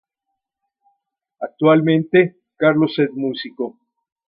Actualmente, Carlos es músico.